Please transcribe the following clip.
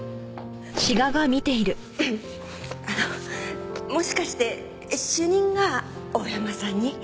あのもしかして主任が大山さんに？